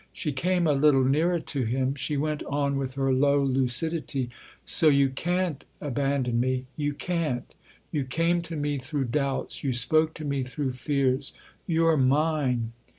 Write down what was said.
She came a little nearer to him ; she went on with her low lucidity :" So you can't abandon me you can't. You came to me through doubts you spoke to me through fears. You're mine